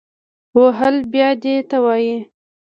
وهل بیا دې ته وایي